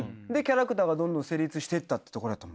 でキャラクターがどんどん成立していった。